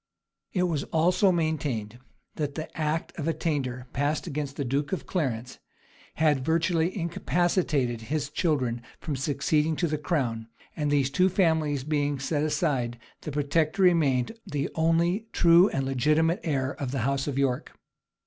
It was also maintained that the act of attainder passed against the duke of Clarence, had virtually incapacitated his children from succeeding to the crown; and these two families being set aside, the protector remained the only true and legitimate heir of the house of York.